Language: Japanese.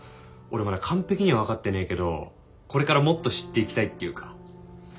俺まだ完璧には分かってねえけどこれからもっと知っていきたいっていうか。